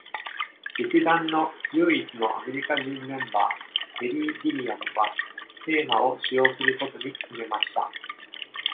劇団の唯一のアメリカ人メンバー、テリー・ギリアムは、テーマを使用することに決めました。